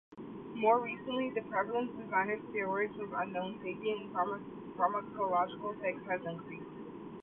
More recently, the prevalence designer steroids with unknown safety and pharmacological effects has increased.